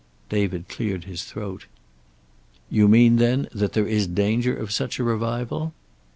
David cleared his throat. "You mean, then, that there is danger of such a revival?"